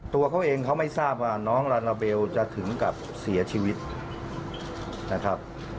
ตัวเขาเองเขาไม่ทราบว่าน้องลาลาเบลจะถึงกับเสียชีวิตนะครับ